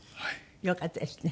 よかったですね。